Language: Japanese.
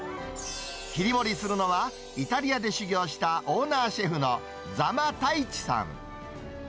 切り盛りするのはイタリアで修業したオーナーシェフの座間太一さん。